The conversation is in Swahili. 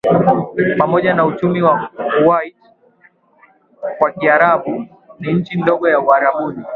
pamoja na uchumi wake Kuwait kwa Kiarabu ni nchi ndogo ya Uarabuni